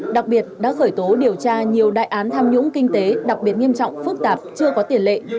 đặc biệt đã khởi tố điều tra nhiều đại án tham nhũng kinh tế đặc biệt nghiêm trọng phức tạp chưa có tiền lệ